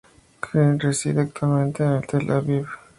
Ginzburg reside actualmente en Tel Aviv.